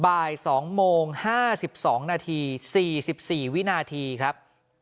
บ่าย๒โมง๕๒นาที๔๔วินาทีครับ